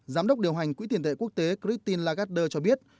giám đốc điều hành quỹ tiền tệ quốc tế christine lagarder cho biết